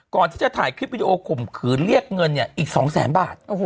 ก่อนที่จะถ่ายคลิปวิดีโอข่มขืนเรียกเงินเนี่ยอีก๒แสนบาท